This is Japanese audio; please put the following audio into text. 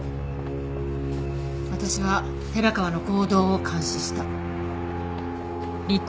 私は寺川の行動を監視した。